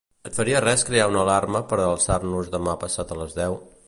Et faria res crear una alarma per alçar-nos demà passat a les deu?